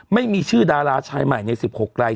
ไม่มีชื่อดาราชายใหม่ใน๑๖ราย